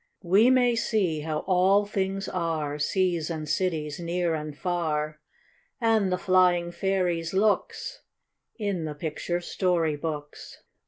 We may see how all things are, Seas and cities, near and far, And the flying fairies' looks, In the picture story books.